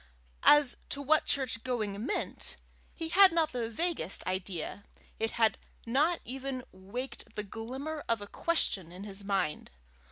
As to what church going meant, he had not the vaguest idea; it had not even waked the glimmer of a question in his mind.